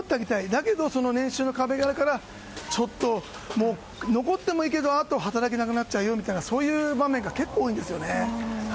だけど、その年収の壁があるからちょっと残ってもいいけど、あと働けなくなっちゃうよっていうそういう場面が結構、多いんです。